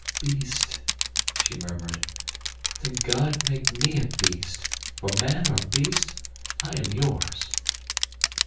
"Beast?" she murmured. "Then God make me a beast; for, man or beast, I am yours."